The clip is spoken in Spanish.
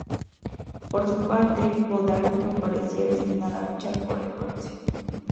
Por su parte Bondarenko parecía destinada a luchar por el bronce.